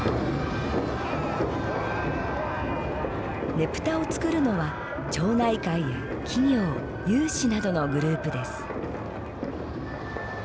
ねぷたを作るのは町内会や企業有志などのグループです。